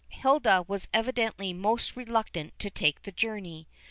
Hilda was evidently most reluctant to take the journey.